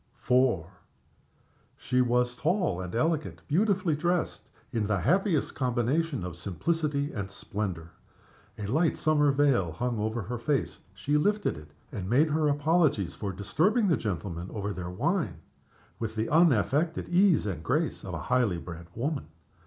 IV. She was tall and elegant; beautifully dressed, in the happiest combination of simplicity and splendor. A light summer veil hung over her face. She lifted it, and made her apologies for disturbing the gentlemen over their wine, with the unaffected ease and grace of a highly bred woman.